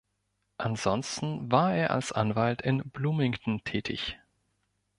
Ansonsten war er als Anwalt in Bloomington tätig.